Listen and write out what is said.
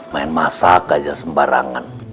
main masak aja sembarangan